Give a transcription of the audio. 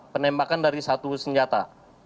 penembakan dari satu senjata